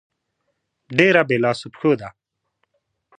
ډېره بې لاسو پښو ده.